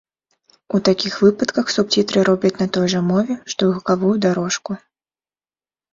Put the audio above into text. У такіх выпадках субцітры робяць на той жа мове, што і гукавую дарожку.